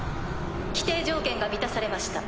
規定条件が満たされました。